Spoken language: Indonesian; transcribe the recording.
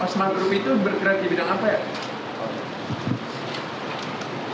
osman group itu bergerak di bidang apa ya